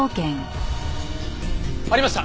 ありました！